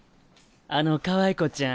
あのかわい子ちゃん